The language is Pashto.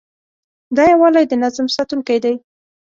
دا یووالی د نظم ساتونکی دی.